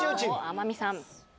天海さん。